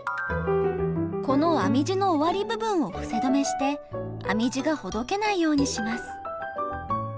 この編み地の終わり部分を伏せ止めして編み地がほどけないようにします。